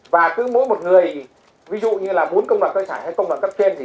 và cứ mỗi một người ví dụ như là muốn công đoàn cơ sản hay công đoàn cấp trên